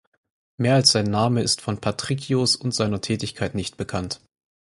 Mehr als sein Name ist von Patrikios und seiner Tätigkeit nicht bekannt.